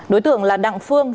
đối tượng là đặng phương